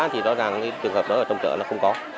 thì rõ ràng cái trường hợp đó ở trong chợ nó không có